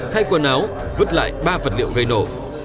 thay quần áo vứt lại ba vật liệu gây nổ